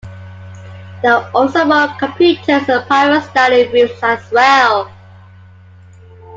There are also more computers and private study rooms as well.